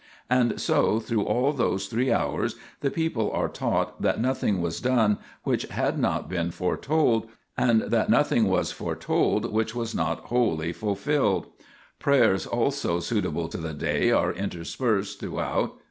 And so through all those three hours the people are taught that nothing was done which had not been foretold, and that nothing was foretold which was not wholly fulfilled. Prayers THE PILGRIMAGE OF ETHERIA 77 also suitable to the day are interspersed throughout.